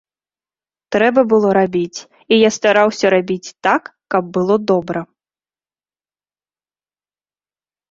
Трэба было рабіць, і я стараўся рабіць так, каб было добра.